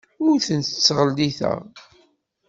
Ur tent-ttɣelliteɣ.